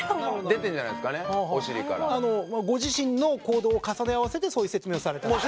ご自身の行動を重ね合わせてそういう説明をされたと。